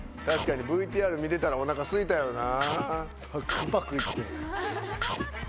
確かにＶＴＲ見てたらお腹すいたよな。